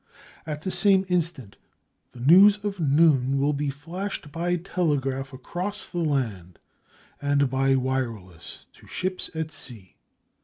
At the same instant, the news of noon will be flashed by telegraph across the land, and by wireless to ships at sea.